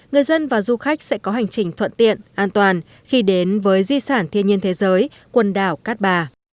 người dân và du khách sẽ có hành trình thuận tiện an toàn khi đến với di sản thiên nhiên thế giới quần đảo cát bà